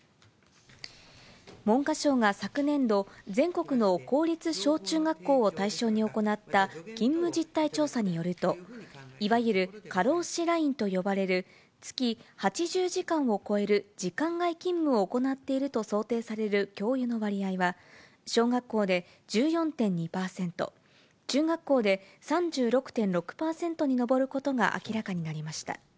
文科省が昨年度、全国の公立小中学校を対象に行った勤務実態調査によると、いわゆる過労死ラインと呼ばれる、月８０時間を超える時間外勤務を行っていると想定される教諭の割合は、小学校で１４．２％、中学校で３６．６％に上ることが明らかになりました。